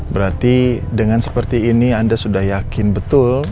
berarti dengan seperti ini anda sudah yakin betul